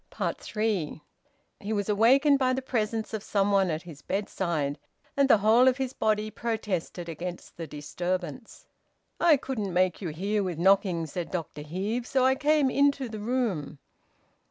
THREE. He was awakened by the presence of some one at his bedside, and the whole of his body protested against the disturbance. "I couldn't make you hear with knocking," said Dr Heve, "so I came into the room."